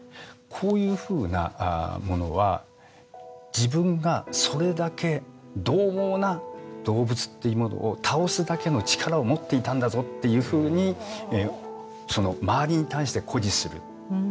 こういうふうなものは自分がそれだけどう猛な動物っていうものを倒すだけの力を持っていたんだぞっていうふうにその周りに対して誇示する。